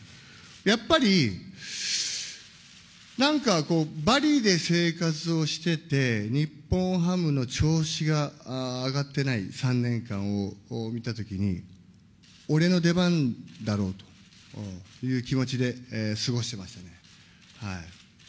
やっぱり、なんかこう、バリで生活をしてて、日本ハムの調子が上がってない３年間を見たときに、俺の出番だろうという気持ちで過ごしてましたね。